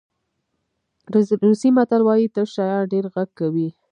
روسي متل وایي تش شیان ډېر غږ کوي.